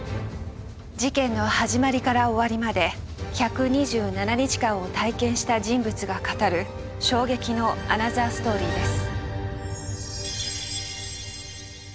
事件の始まりから終わりまで１２７日間を体験した人物が語る衝撃のアナザーストーリーです。